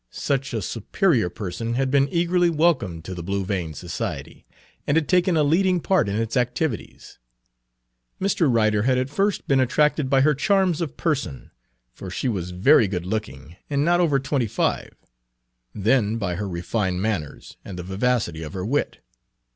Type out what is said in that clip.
Such a superior person had been eagerly welcomed to the Blue Vein Society, and had taken a leading part in its activities. Mr. Ryder had at first been attracted by her charms of person, Page 6 for she was very good looking and not over twenty five; then by her refined manners and the vivacity of her wit.